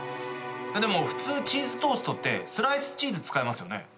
でも普通チーズトーストってスライスチーズ使いますよね。